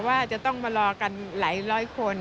ว่าจะต้องมารอกันหลายร้อยคน